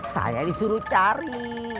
saya disuruh cari